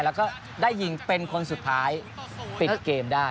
แล้วก็ได้ยิงเป็นคนสุดท้ายปิดเกมได้